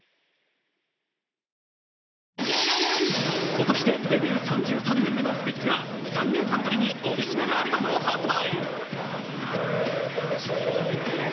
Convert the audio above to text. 今年でデビュー３３年目のスピッツが３年半ぶりにオリジナルアルバムを発売。